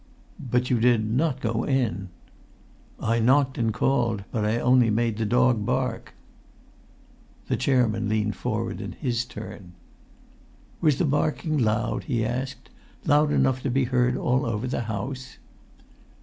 "But you did not go in?" "I knocked and called, but I only made the dog bark." The chairman leaned forward in his turn. "Was the barking loud?" he asked. "Loud enough to be heard all over the house?"